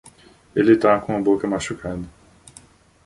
Ele tá com a boca machucada.